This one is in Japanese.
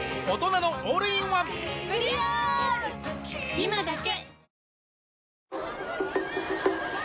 今だけ！